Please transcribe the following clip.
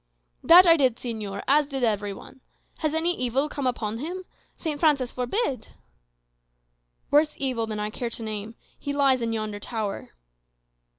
"That I did, señor, as did every one. Has any evil come upon him? St. Francis forbid!" "Worse evil than I care to name. He lies in yonder tower."